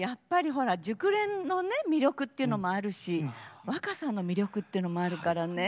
熟練のね魅力っていうのもあるし若さの魅力っていうのもあるからねえ。